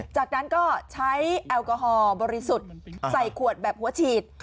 จากนั้นก็ใช้แอลกอฮอล์บริสุทธิ์ใส่ขวดแบบหัวฉีด